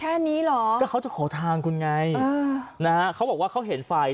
แค่นี้เหรอก็เขาจะขอทางคุณไงอ่านะฮะเขาบอกว่าเขาเห็นไฟ